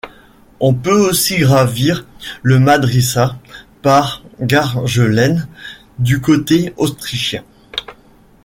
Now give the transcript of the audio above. On peut aussi gravir le Madrisa par Gargellen du côté autrichien.